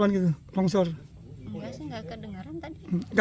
enggak saya nggak kedengaran tadi